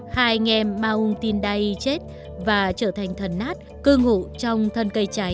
hai anh em maung tindai chết và trở thành thần nát cư ngụ trong thân cây cháy